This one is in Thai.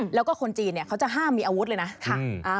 แล้วก็คนจีนเขาจะห้ามมีอาวุธเลยนะ